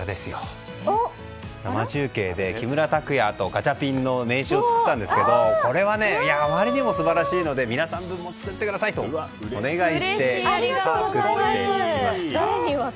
生中継で木村拓也とガチャピンの名刺を作ったんですがあまりにも素晴らしいので皆さんの分も作ってくださいとお願いして作ってきました。